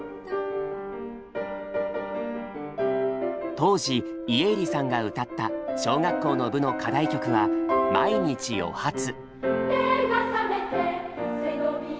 当時家入さんが歌った小学校の部の課題曲は「まいにち『おはつ』」。